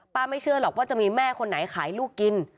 ไม่เชื่อหรอกว่าจะมีแม่คนไหนขายลูกกิน